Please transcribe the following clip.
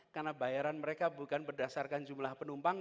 karena bayaran mereka bukan berdasarkan jumlah penumpang